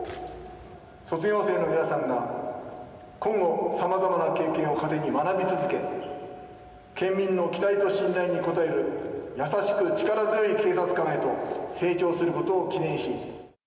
卒業生の皆さんは今後、さまざま経験を糧に学び続け県民の期待と信頼に応える優しく力強い警察官へと成長することを祈念します。